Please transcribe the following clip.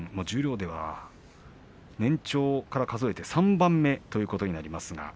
十両では年長から数えて３番目ということになります。